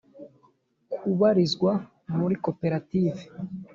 Kubarizwa muri koperative